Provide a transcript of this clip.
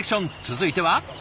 続いては。